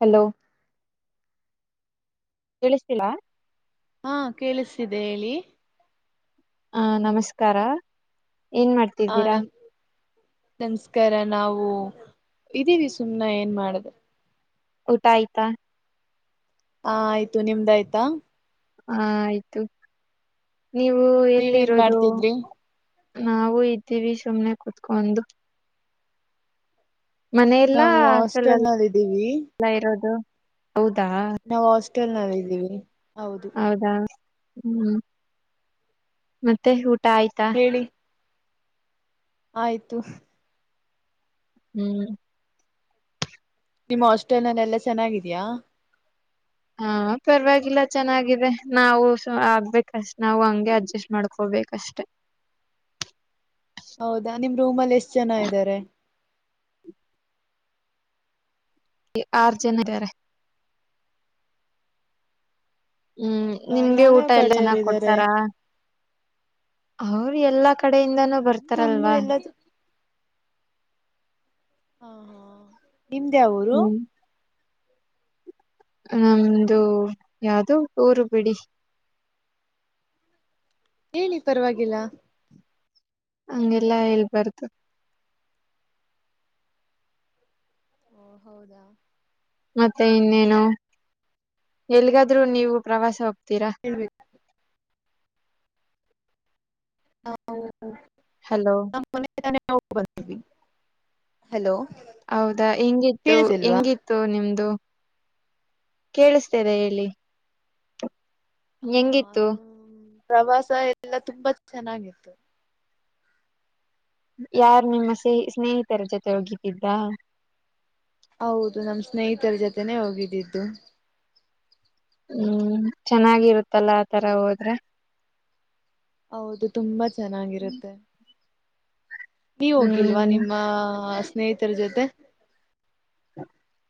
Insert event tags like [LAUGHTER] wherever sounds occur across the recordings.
Hello ಕೇಳಿಸ್ತಿಲ್ಲಾ? ಹಾಂ ಕೇಳಿಸ್ತಿದೆ ಹೇಳಿ. ಆ ನಮಸ್ಕಾರ ಏನ್ ಮಾಡ್ತಿದ್ದೀರಾ? ನಮ್ಸ್ಕಾರ ನಾವು ಇದೀವಿ ಸುಮ್ನೆ ಏನ್ ಮಾಡದು? ಊಟ ಆಯ್ತಾ? ಆ ಆಯ್ತು ನಿಮ್ದಾಯ್ತಾ? ಆ ಆಯ್ತು ನೀವು ನೀವೇನ್ ಎಲ್ಲಿರೋದು? ಮಾಡ್ತಿದ್ರಿ ನಾವು ಇದ್ದೀವಿ ಸುಮ್ನೆ ಕುತ್ಕೊಂಡು. ಮನೆಲ್ಲಾ ನಾವು ಹಾಸ್ಟಲಲ್ಲಾ ಹಾಸ್ಟೆಲ್ ನಲ್ಲಿ ಇದೀವಿ ಇರೋದು? ಹೌದಾ? ಟಲ್ನಲ್ಲಿದ್ದೀವಿ. ಹೌದಾ ಹ್ಮ್ ಮತ್ತೆ ಊಟ ಆಯ್ತಾ? ಹೇಳಿ ಆಯ್ತು. ಹ್ಮ್ ನಿಮ್ಮ ಹಾಸ್ಟೆಲ್ನಲೆಲ್ಲಾ ಚೆನ್ನಾಗಿದ್ಯಾ? ಅ ಪರ್ವಾಗಿಲ್ಲ ಚೆನ್ನಾಗಿದೆ. ನಾವು ಸೋ ಆಗ್ಬೇಕಷ್ ನಾವು ಹಂಗೆ ಅಡ್ಜಸ್ಟ್ ಮಾಡ್ಕೊ ಬೇಕಷ್ಟೆ. ಹೌದಾ ನಿಮ್ ರೂಮಲ್ ಎಷ್ಟ್ ಜನ ಇದ್ದಾರೆ? ಇ ಆರ್ ಜನ ಇದ್ದಾರೆ. ಹ್ಮ್ ಹೌದಾ ನಿಮ್ಗೆ ಯಾವ್ಯಾವ ಊಟ ಎಲ್ಲ ಕಡೆಯವರು ಚೆನ್ನಾಗ್ ಇದ್ದಾರೆ ಕೊಡ್ತಾರ. ಅವರು ಎಲ್ಲಾ ಕಡೆಯಿಂದನೂ ನಮ್ದು ಬರ್ತಾರಲ್ವಾ ಎಲ್ಲದು ಆ ನಿಮ್ದ್ ಯಾವೂರು? ಹ್ಮ್ ನಮ್ದು ಯಾವ್ದು ಊರು ಬಿಡಿ. ಹೇಳಿ ಪರವಾಗಿಲ್ಲ ಹಂಗೆಲ್ಲಾ ಹೇಳ್ಬಾರ್ದು. [UNINTELLIGIBLE] ಮತ್ತೆ ಇನ್ನೇನು ಎಲ್ಲಿಗಾದ್ರೂ ನೀವು ಪ್ರವಾಸ ಹೋ ತಿರಾ ಹೇಳ್ಬೇಕು [UNINTELLIGIBLE] ಹಲೋ ಹಲೋ ಹೌದಾ ಹೆಂಗಿತ್ತು ಕೇಳಿಸಿಲ್ವಾ ಹೆಂಗಿತ್ತು ನಿಮ್ದು ಕೇಳಿಸ್ತಿದೆ ಹೇಳಿ ಹಾ ಹೆಂಗಿತ್ತು ನಮ್ ಪ್ರವಾಸ ಎಲ್ಲಾ ತುಂಬಾ ಚೆನ್ನಾಗಿತ್ತು ಯಾರ್ ನಿಮ್ಮ ಸ್ನೇಹಿತರ ಜೊತೆ ಹೋಗಿತಿದ್ದ. ಹೌದು ನಮ ಸ್ನೇಹಿತರ ಜೊತೆನೆೇ ಹೋಗಿದ್ದಿದ್ದು. ಹ್ಮ್ ಚೆನ್ನಾಗಿರುತ್ತಲ್ಲ ಆ ತರ ಹೋದ್ರೆ ಹೌದು ತುಂಬಾ ಚೆನ್ನಾಗಿರುತ್ತೆ ನೀವು ಹೋಗಿಲ್ವಾ ಹ್ಮ್ ನಿಮ್ಮ ಸ್ನೇಹಿತರ ಜೊತೆ.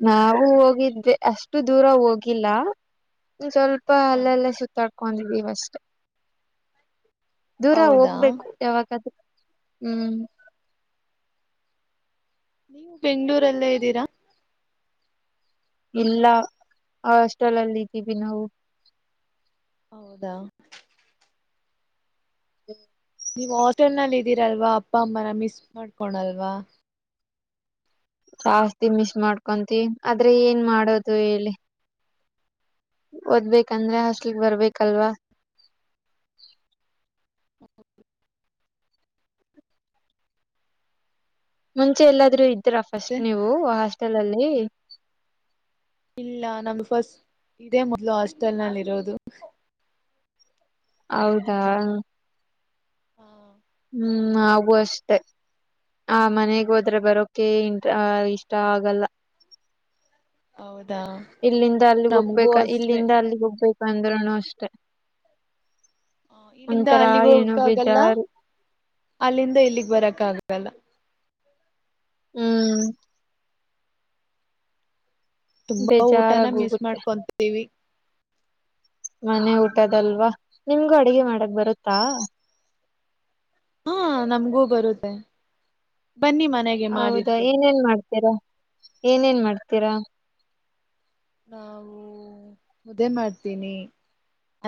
ನಾಾವವು ಹೋಗಿದ್ವಿ ಅಷ್ಟು ದೂರ ಹೋಗಿಲ್ಲ ಸ್ವಲ್ಪ ಪ್ಪ ಅಲ್ಲೆಲ್ಲ ಸುತ್ತಾಡ್ಕೊಂಡಿದ್ವಿವಷ್ಟೆ ದೂರ ಹೌದಾ ಹೋಗ್ಬೇಕು ಯಾವಾಗಾದ್ರೂ ಹ್ಮ್. ನೀವು ಬೆಂಗ್ಗಳೂರಲ್ಲೇ ಇದ್ದೀರಾ ಇಲ್ಲ ಆ ಹಾಸ್ಟೆಲ್ ಅಲ್ಲಿ ಇದ್ದೀವಿ ನಾವು ಹೌದಾ [INAUDIBLE] ಹ್ಮ ನೀವು್ ಹೋಟೆಲ್ ನಲ್ಲಿ ಇದ್ದೀರಲ್ವಾ ಅಪ್ಪ ಅಮ್ಮನ ಮಿಸ್ ಮಾಡ್ಕೊಣಲ್ವಾ ಜಾಸ್ತಿ ಮಿಸ್ ಮಾಡ್ಕೊಂತೀ ಆದ್ರೆ ಏನ್ ಮಾಡೋದು ಹೇಳಿ ಓದ್ಬೇಕಂದ್ರೆ ಹಸ್ಲಿಗ್ ಬರ್ಬೇಕಲ್ವಾ ಮುಂಚೆ ಎಲ್ಲಾದ್ರೂ ಇದ್ದೀರ ಫಸ್ಟ್ ಮತ್ತೆ ನೀವು ಹಾಸ್ಟೆಲ್ ಅಲ್ಲಿ ಇಲ್ಲ ನಮ್ದ ಫಸ್ಟ್ ಇದೇ ಮೊದ್ಲು ಹಾಸ್ಟೆಲ್ ನಲ್ಲಿ ಇರೋದು. ಹೌದಾ. ಹಾ. ಹ್ಮ್ ನವು ಅಷ್ಟೆ. ಆ ಮನೆಗ್ ಹೋದ್ರೆ ಬರೋಕೆ ಇಂಟ್ ಇಷ್ಟ ಆಗಲ್ಲ. ಹೌದು ಇಲ್ಲಿಂದ ಅಲ್ಲಿಗೆ ಹೋಗ್ಬೇಕ ಇಲ್ಲಿಂದ ಅಲ್ಲಿಗೆ ಹೋಗ್ಬೇಕ ಅಂದ್ರನು ಅಷ್ಟೆ. ಹ ಇಲ್ಲಿಂದ ಒಂಥರ ಅಲ್ಲಿಗ್ ಏನೋ ಹೋಗಕ್ಕ ಆಗಲ್ಲ ಬೇಜಾರು ಅಲ್ಲಿಂದ ಇಲ್ಲಿಗ್ ಬರಕ್ಕ ಆಗಲ್ಲ. ಪಲ್ಲ ಹ್ಮ್. ತುಂಬಾ ಊಟನ ಬೇಜಾರಾಗ ಮಿಸ್ ಹೋಗುತ್ತೆ ಮಾಡ್ಕೊಂತೀವಿ. ಮನೆ ಊಟದಲ್ವಾ ನಿಮ್ಗೂ ಅಡಗೆ ಮಾಡಕ್ ಬರುತ್ತಾ. ಹಾ ನಮ್ಗೂ ಬರುತ್ತೆ. ಬನ್ನಿ ಮನೆಗೆ ಹೌದಾ ಮಾಡಿರ್ತೀವಿ ಏನೇನ್ ಮಾಡ್ತೀರಾ ಏನೇನ್ ಮಾಡ್ತೀರಾ. ನಾವು ಮುದೇನ್ ಮಾಡ್ತೀನಿ.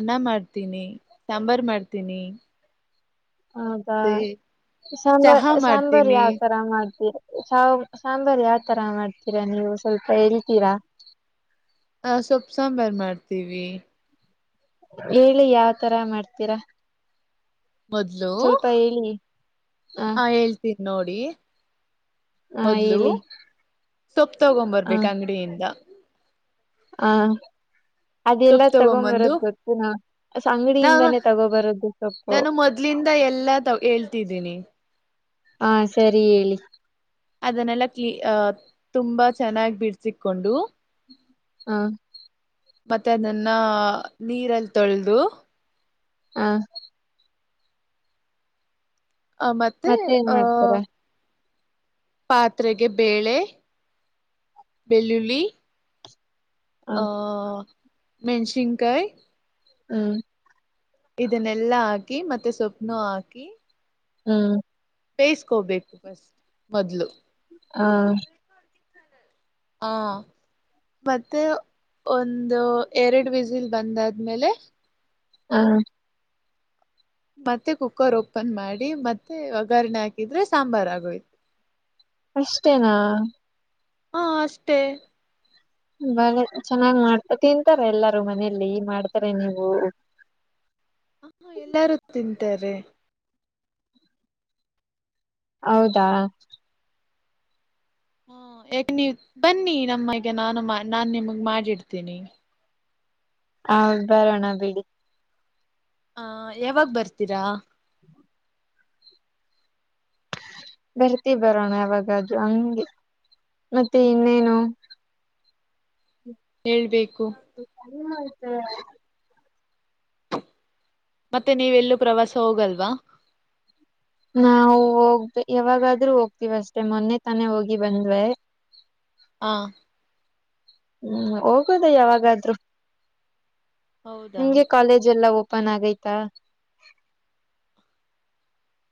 ಅನ್ನ ಮಾಡ್ತೀನಿ ಸಾಂಬಾರ್ ಮಾಡ್ತೀನಿ. ಹೌದಾ ಮತ್ತೆ ಸಾಂಬಾರ್ ಚಹಾ ಸಾಂಬಾರ್ ಮಾಡ್ತೀನಿ ಯಾವ್ ತರ ಮಾಡ್ತೀರಿ. ಸಾಾವ ಸಾಂಬಾರ್ು ಯಾವ ತರ ಮಾಡ್ತೀರಾ ನೀವು ಸ್ವಲ್ಪ ಹೇಳ್ತೀರಾ. ಹ ಸೊಪ್ಪ ಸಾಂಬಾರು ಮಾಡ್ತೀವಿ. ಹೇಳಿ ಯಾವ್ತರ ಮಾಡ್ತೀರಾ. ಮೊದ್ಲು ಸ್ವಲ್ಪ ಹೇಳಿ ಹ ಹೇಳ್ತೀನಿ ನೋಡಿ ಹ ಮೊದ್ಲು ಹೇಳಿ ಸೊಪ್ಪ ತಗೊಂಡ್ಂಬರ್ಬೇಕು ಅಂಗಡಿಯಿಂದ ಹಾ. ಅದೆಲ್ಲ ಸೊಪ್ಪ ತಗೊಂಬಂದು ತಗೊಂಬರೋದ್ ಗೊತ್ತಿನ ನಾ ಅಂಗಡಿಯಿಂದಾನೇ ತಗೋಬರೋದದು ಸೊಪ್ಪು. ನಾನು [INAUDIBLE] [INAUDIBLE] ಎಲ್ಲಾ ತ ಹೇಳ್ತಿದ್ದೀನಿ. ಹಾ ಸರಿ ಹೇಳಿ. ಅದನ್ನೆಲ್ಲ ಕ್ಲಿ ಅಹ ತುಂಬಾ ಚೆನ್ನಾಗಿ ಬಿಡ್ಸಕೊಂಡು. ಹಾ. ಮತ್ತೆ ಅದನ್ನ ನೀರಲ್ಲಿ ತೊಳೆದು. ಹಾ. ಆ ಮತ್ತೆ ಏನ್ ಆಹ ಮಾಡ್ತಾರ ಪಾತ್ರೆಗೆ ಬೇಳೆ ಬೆಳ್ಳುಳ್ಳಿ ಹ ಆ ಮೆಣಸಿನ್ಕಾಯ್ ಹ್ಮ್ ಇದನ್ನೆಲ್ಲಾ ಹಾಕಿ ಮತ್ತೆ ಸೊಪ್ಪನು ಹಾಕಿ ಹ್ಮ್ ಬೇಯಿಸ್ಕೋಬೇಕು ಫಸ್ಟ್ ಮೊದ್ಲು ಹ ಹಾ ಮತ್ತೆ ಒಂದು ಎರಡು ವಿಸಿಲ್ ಬಂದಾದ್ಮೇಲೆ ಹ್ಮ ಮತ್ತೆ ಕುಕ್ಕರ್ ಓಪನ್ ಮಾಡಿ ಮತ್ತೆ ಒಗಾರ್ರಣೆ ಹಾಕಿದ್ರೆ ಸಾಂಬಾರ್ ಆಗೋಯ್ತು ಅಷ್ಟೇನಾ ಹಾ ಅಷ್ಟೇ ಬಳೆ ಚೆನ್ನಾಗ್ ಮಾಡ್ತ ತಿಂತಾರೆ ಎಲ್ಲಾರೂ ಮನೇೆಯಲ್ಲಿ ಮಾಡ್ತಾರೆ ನೀವು ಹಾ ಎಲ್ಲಾರು ತಿಂತಾರೆ ಹೌದಾ ಹ್ಮ ಯಾಕ ನೀವ್ ಬನ್ನಿ ನಮ್ಮಗೆ ನಾನು ನಾನ್ ನಿಮಗ್ ಮಾಡಿಡ್ತೀನಿ ಹ ಬರೋಣ ಬಿಡಿ ಹ ಯಾವಾಗ ಬರ್ತೀರಾ ಬರ್ತಿ ಬರೋಣ ಯಾವಾಗದುೂ ಹಂಗೆ ಮತ್ತೆ ಇನ್ನೇನು ಹೇಬೇಕು ಹಏನ್ ಆಯ್ತ ಮತ್ತೆ ನೀವೆಲ್ಲೂ ಪ್ರವಾಸ ಹೋಗಲ್ವಾ ನಾವು ಹೋಗ್ ಯಾವಾಗಾದ್ರೂ ಹೋಗ್ತಿೀವಿ ಅಷ್ಟೇ ಮೊನ್ನೆ ತಾನೇ ಹೋಗಿ ಬಂದ್ವೆ ಹ ಹ್ಮ್ ಹೋಗೋದ ಯಾವಾಗಾದ್ೂ ಹೌದಾ ನಿಮ್ಗೆ ಕಾಲೇಜ್ ಎಲ್ಲ ಹೋಗ ಪ್ಪನ್ ಆಗೈತಾ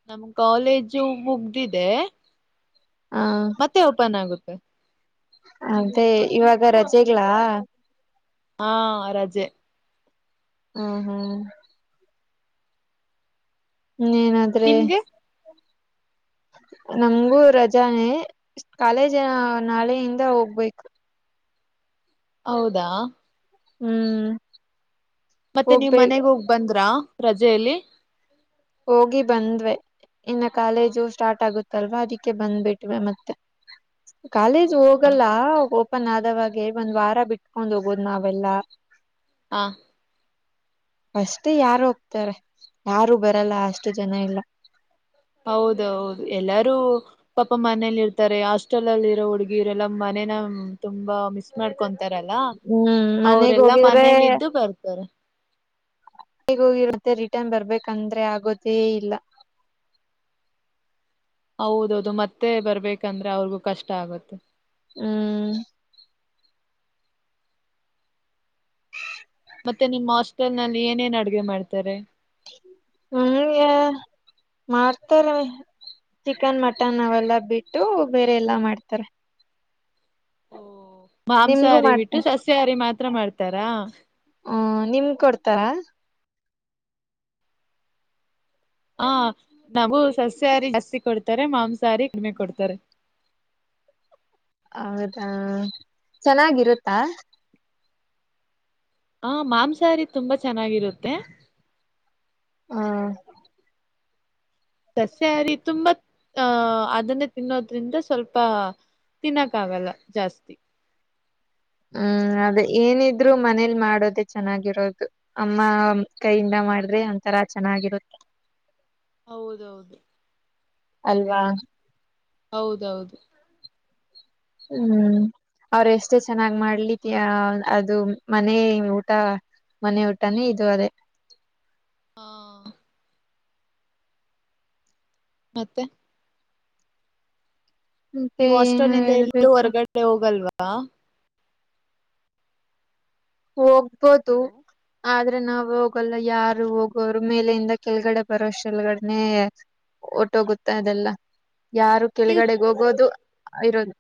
ನಮ ಕಾಲೇಜು ಮುಗ್ದಿದೆ ಹ ಮತ್ತೆ ಓಪನ್ ಆಗುತ್ತೆ ಅದೆ ಇವಾಗ ರಜೆಗ್ಲಾ ಹಾ ರಜೆ ಹ್ಮ್ ಹ್ಮ್ ಹ್ ಏನಾದ್ರೆ ನಿಮ್ಗೆ ನಮಗೂ ರಜಾನೆ ಕಾಲೇಜ ನಾಳೆಯಿಂದ ಹೋಗ್ಬೇಕು ಹೌದಾ ಹ್ಮ್ ಮತ್ತೆ ನೀವ್ ಹೋಗ್ಬೇಕ ಮನೆಗ್ ಹೋಗ್ ಬಂದ್ರಾ ರಜೆಯಲ್ಲಿ. ಹೋಗಿ ಬಂದ್ವೆ ಇನ್ನ ಹ ಕಾಲೇಜು ಸ್ಟಾರ್ಟ್ ಆಗುತ್ತ ತಲ್ವ ಅದಕ್ಕೆ ಬಂದ್ಬಿಟ್ವೆ ಮತ್ತೆ ಕಾಲೇಜ್ ಹೋಗಲ್ಲ ಪ್ಪನ ಆದವಾಗೆ ಒಂದ್ ವಾರ ಬಿಟ್ಕೊಂಡ್ ಹೋಗೋದ್ ನಾವೆಲ್ಲಾ ಹಾ ಅಷ್ಟೇ ಯಾರು ಹೋಗ್ತಾರೆ ಯಾರು ಬರಲ್ಲ ಅಷ್ಟು ಜನ ಇಲ್ಲ ಹೌದೌದು ಎಲ್ಲಾರೂ ಪಾಪ ಮನೇಲಿ ಇರ್ತಾರೆ ಹಾಸ್ಟೆಲ್ ಅಲ್ಲಿರೋ ಹುಡ್ಗಿರ ಎಲ್ಲ ಮನೆ ಮ ತುಂಬಾ ಮಿಸ್ ಮಾಡ್ಕೊ ಇತಾರಲ್ಲ ಹ್ಮ್ ಮನೆಗ್ ಅವರೆಲ್ಲಾ ಹೋಗಿದ್ರೆ ಮನೇಲಿ ಇದ್ದು ಬರ್ತಾರ ಹೇಗ ಹೋಗಿರುತ್ತೆ ರಿಟರ್ನ್ ಬರ್ಬೇಕಂದ್ರೆ ಆಗೋದೇ ಇಲ್ಲ ಹೌದೌದು ಮತ್ತೆ ಬರ್ಬೇಕಂದ್ರೆ ಅವ್ರಿಗೂ ಕಷ್ಟ ಆಗುತ್ತೆ ಹ್ಮ್ ಮತ್ತೆ ನಿಮ್ಮ್ ಹಾಸ್ಟೆಲ್ ನಲ್ಲಿ ಏನೇನ್ ಅಡುಗೆ ಮಾಡ್ತಾರೆ ಹ್ಮ್ ಯ ಮಾಡ್ತರ ಚಿಕನ್ ಮಟನ್ ಅವೆಲ್ಲಾ ಬಿಟ್ಟು ಬೇರೆ ಎಲ್ಲಾ ಮಾಡ್ತಾರೆ ಓಹೊ ನಿಮ್ಗೂ ಮಾಂಸಾಹಾರಿ ಬಿಟ್ಟು ಮಾಡ್ತಾರೆ ಸಸ್ಯಹಾರಿ ಮಾತ್ರ ಮಾಡ್ತಾರಾ. ಹ ನಿಮ್ ಕೊಡ್ತಾರಾ ಹಾ ನಾವು ಸಸ್ಯಹಾರಿ ಜಾಸ್ತಿ ಕೊಡ್ತಾರೆ ಮಾಂಸಾಹಾರಿ ಕಡಿಮೆ ಕೊಡ್ತಾರೆ [INAUDIBLE] ಹೌದಾ ಹಾ ಚೆನ್ನಾಗಿರುತ್ತಾ ಹಾ ಮಾಂಸಾಹಾರಿ ತುಂಬಾ ಚೆನ್ನಾಗಿರುತ್ತೆ ಹ್ಮ ಸಸ್ಯಾಹಾರಿ ತುಂಬಾ ಅಹ ಅದನ್ನೇ ತಿನ್ನೋದ್ರಿಂದ ಸ್ವಲ್ಪ ತಿನ್ನಕ್ಕ ಆಗಲ್ಲ ಜಾಸ್ತಿ. ಹ್ಮ್ ಅದೇ ಏನಿದ್ರು ಮನೇಲಿ ಮಾಡೋದೇ ಚೆನ್ನಾಗಿರೋದು ಅಮ್ಮ ಕೈಯಿಂದ ಮಾಡಿದ್ರೆ ಒಂತರಾ ಚೆನ್ನಾಗಿರುತ್ತೆ ಹೌದೌದು ಅಲ್ವಾ ಹೌದೌದು. ಹ್ಮ್. ಅವ್ರ ಎಷ್ಟೇ ಚೆನ್ನಾಗ್ ಮಾಡ್ಲಿ ಅದು ಮನೆ ಊಟ. ಮನೆ ಊಟಾನೆ ಇದು ಅದೇ. ಹಾ ಮತ್ತೆ ಮತ್ತೆ ನೀವು ಏನು ಹಾಸ್ಟಲನಿಂದ ಎಲ್ಲೂ ಹೇಳ್ಬೇಕು ಹೊರಗಡೆ ಹೋಗಲ್ವಾ. ಹೋಗ್ಬೋದು ಹಲೋ ಆದ್ರೆ ಆದ್ರೆ ನಾವು ಹೋಗಲ್ಲ ಯಾರು ಹೋಗೋರು ಮೇಲೆಯಿಂದ ಕೆಳಗಡೆ ಬರೋ ಶಲ್ಗಡನೆ ಓಟಗುತ್ತಾ ಅದೆಲ್ಲ ಯಾರು ನೀವು ಕೆಳಗಡೆಗೆ ಹೋಗೋದು ಇರೋದು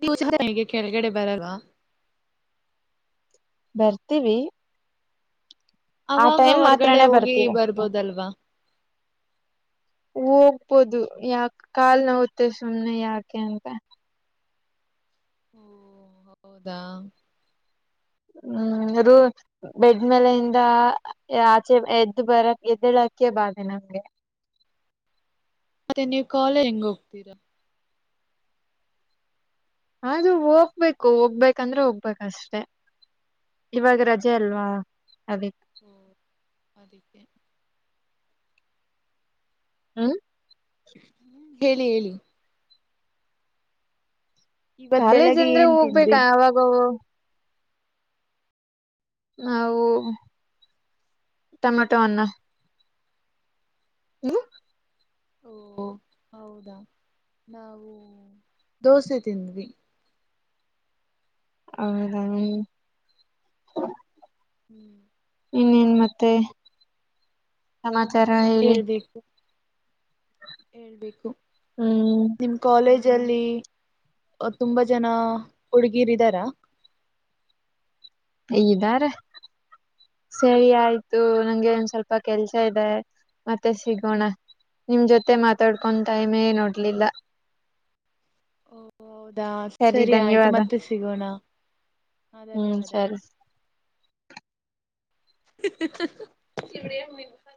ನೀವು [UNINTELLIGIBLE] ಕೆಳಗಡೆ ಬರಲವ್ ಬರ್ತೀವಿ ಆ ಅವಾಗ ಟೈಮ್ ಹೊರ್ಗಡೆ ಮಾತ್ರನೇ ಹೋಗಿ ಬರ್ತೀವಿ ಅಷ್ಟೇ. ಬರ್ಬೋದಲ್ವಾ ಹೋಗ್ಬೋದು ಯಾಕ ಕಾಲ್ ನವುತ್ತೆ ಸುಮ್ನೆ ಯಾಕೆ ಅಂತ ಹೂ ಹೌದಾ ಹ್ಮ್ ರೂ ಬೆಡ್ಮೇಲೆಯಿಂದ ಆಚೆ ಎದ್ದು ಬರಕ ಎದ್ದಲ ಅದಕೆ ಬಾಳ ದಿನ ಬೆ ಮತ್ತೆ ನೀವು ಕಾಲ ಹೆಂಗ ಹೋಗ್ತೀರಾ ಅದು ಹೋಗ್ಬೇಕು ಹೋಗ್ಬೇಕಂದ್ರೆ ಹೋಗ್ಬೇಕಷ್ಟೆ ಇವಾಗ ರಜೆ ಅಲ್ವಾ ಅದೇ ಹೋ ಅದಕ್ಕೆ ಹ್ಮ್ ಹ್ಮ್ ಹೇಳಿ ಹೇಳಿ ಇವತ್ ಕಾಲೇಜ್ ಬೆಳಗ್ಗೆ ಅಂದ್ರೆ ಏನ್ ತಿಂದ್ರಿ ಹೋಗ್ಬೇಕಾ ಅವಾಗವ ನಾವು ಟಮಟೊ ಅನ್ನ [INAUDIBLE] ಓ ಹೊ ಹೌದಾ ನಾವು ದೋಸೆ ತಿಂದ್ವಿ ಹೌದ ಹಾ ಹ್ಮ್ ಇನ್ನೇನ್ ಮತ್ತೆ ಸಮಾಚಾರ ಹೇಳಿ ಹೇಳ್ಬೇಕು ಹೇಳ್ಬೇಕು ಹ್ಮ್ ನಿಮ್ ಕಾಲೇಜಲ್ಲಿ ತುಂಬಾ ಜನ ಹುಡುಗೀರಿದಾರ ಇದಾರೆ ಸರಿ ಆಯ್ತು ನಂಗೆ ಒನ್ ಸ್ವಲ್ಪ ಕೆಲ್ಸ ಇದೆ ಮತ್ತೆ ಸಿಗೋಣ ನಿಮ್ ಜೊತೆ ಮಾತಾಡ್ಕೊಂಡು ಟೈಮ್ ನೆ ನೋಡ್ಲಿಲ್ಲ ಹೌದಾ ಸರಿ ಆಯತು ಮತ್ತೆ ಸಿಗೋಣ ಹ ಹ್ಮ್ ಧನ್ಯವಾದಗಳು ಸರಿ. ಹ ಹ ಹ